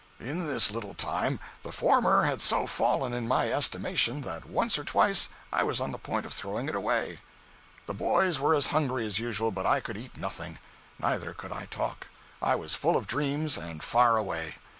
In this little time the former had so fallen in my estimation that once or twice I was on the point of throwing it away. The boys were as hungry as usual, but I could eat nothing. Neither could I talk. I was full of dreams and far away.